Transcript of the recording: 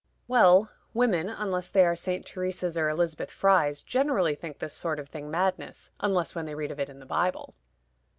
"Well women, unless they are Saint Theresas or Elizabeth Frys, generally think this sort of thing madness, unless when they read of it in the Bible."